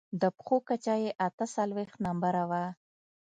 د پښو کچه يې اته څلوېښت نمبره وه.